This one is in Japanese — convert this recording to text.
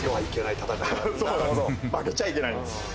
なるほど負けちゃいけないんです